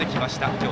今日